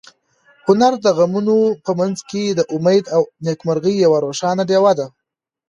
هنر د غمونو په منځ کې د امید او نېکمرغۍ یوه روښانه ډېوه ده.